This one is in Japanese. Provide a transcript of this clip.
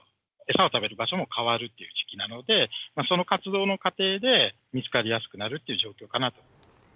餌を食べる場所も変わるという時期なので、その活動の過程で見つかりやすくなるっていう状況かなと。